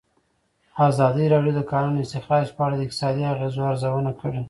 ازادي راډیو د د کانونو استخراج په اړه د اقتصادي اغېزو ارزونه کړې.